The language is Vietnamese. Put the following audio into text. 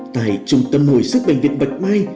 tại trung tâm hồi sức bệnh viện bạch mai